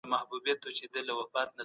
په ځینو نظامونو کي سود او سلم عام سوي دي.